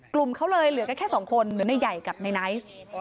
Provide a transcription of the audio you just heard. กลุ่มเขาเลยเหลือก็แค่สองคนในใหญ่กับในไนท์